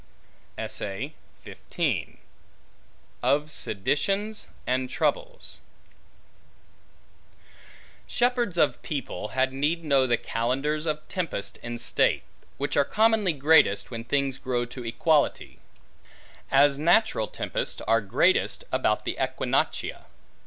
Of Seditions And Troubles SHEPHERDS of people, had need know the calendars of tempests in state; which are commonly greatest, when things grow to equality; as natural tempests are greatest about the Equinoctia.